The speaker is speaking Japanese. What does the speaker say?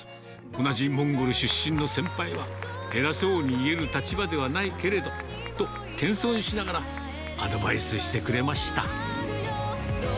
同じモンゴル出身の先輩は、偉そうに言える立場ではないけれどと、謙遜しながら、アドバイスしてくれました。